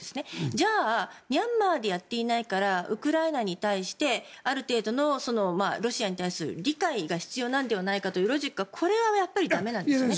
じゃあミャンマーでやっていないからウクライナに対してある程度のロシアに対する理解が必要なのではないかというロジックはこれは駄目なんですね。